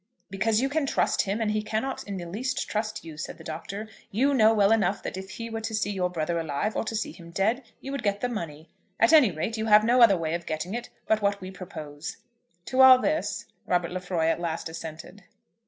"Because you can trust him, and he cannot in the least trust you," said the Doctor. "You know well enough that if he were to see your brother alive, or to see him dead, you would get the money. At any rate, you have no other way of getting it but what we propose." To all this Robert Lefroy at last assented.